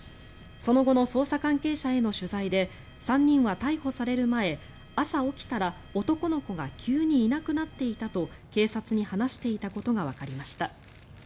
その後の捜査関係者への取材で３人は逮捕される前朝、起きたら男の子が急にいなくなっていたと警察に話していたことがわかりました。